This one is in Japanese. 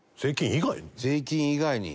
税金以外に。